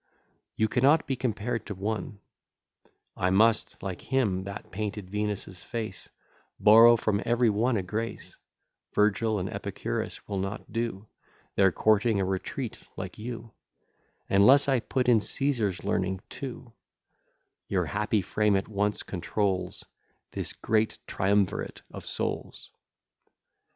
You cannot be compared to one: I must, like him that painted Venus' face, Borrow from every one a grace; Virgil and Epicurus will not do, Their courting a retreat like you, Unless I put in Caesar's learning too: Your happy frame at once controls This great triumvirate of souls.